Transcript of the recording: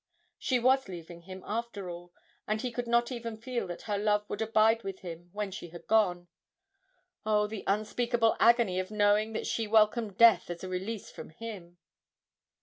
She was leaving him after all, and he could not even feel that her love would abide with him when she had gone; oh, the unspeakable agony of knowing that she welcomed death as a release from him!